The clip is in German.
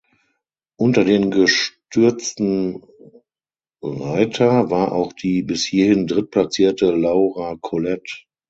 Unter den gestürzten Reiter war auch die bis hierhin drittplatzierte Laura Collett.